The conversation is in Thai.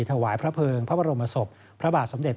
ถวายพระเภิงพระบรมศพพระบาทสมเด็จ